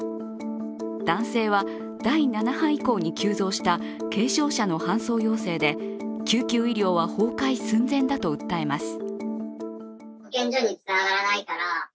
男性は第７波以降に急増した軽症者の搬送要請で救急医療は崩壊寸前だと訴えます。